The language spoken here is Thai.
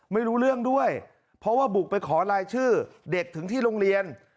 ไม่รู้เรื่องด้วยเพราะว่าบุกไปขอรายชื่อเด็กถึงที่โรงเรียน